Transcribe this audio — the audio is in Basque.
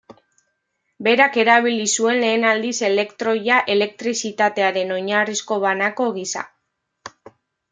Berak erabili zuen lehen aldiz elektroia elektrizitatearen oinarrizko banako gisa.